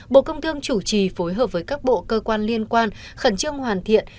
bộ công thương chủ trì phối hợp với các bộ cơ quan liên quan khẩn trương hoàn thiện